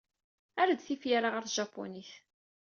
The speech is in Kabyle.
Err-d tifyar-a ɣer tjapunit.